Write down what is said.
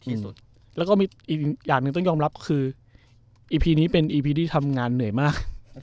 ที่สุดแล้วก็มีอีกอย่างหนึ่งต้องยอมรับคืออีพีนี้เป็นอีพีที่ทำงานเหนื่อยมาก